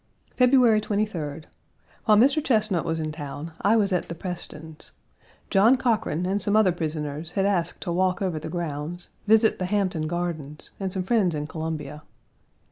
February 23d. While Mr. Chesnut was in town I was at the Prestons. John Cochran and some other prisoners had asked to walk over the grounds, visit the Hampton Gardens, and some friends in Columbia.